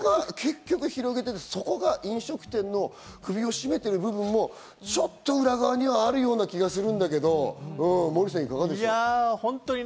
そこが飲食店の首を絞めてる部分も裏側にあるような気がするんだけどモーリーさん、いかがでしょう？